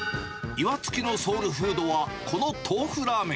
岩槻のソウルフードは、このトーフラーメン。